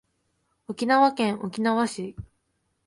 沖縄県沖縄市